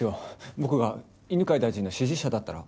僕が犬飼大臣の支持者だったら？